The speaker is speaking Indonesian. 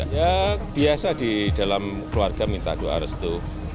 ya biasa di dalam keluarga minta doa restu